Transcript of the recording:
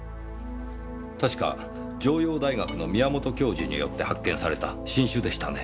確か城陽大学の宮本教授によって発見された新種でしたね。